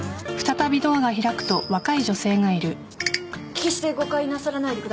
決して誤解なさらないでください。